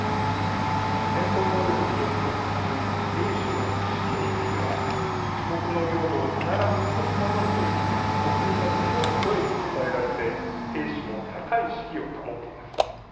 戦闘能力に直結する兵士の士気については自国の領土を必ず取り戻すという国民の強い声に支えられて兵士も高い士気を保っています。